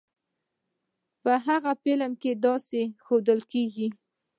په هغه فلم کې داسې ښودل کېږی.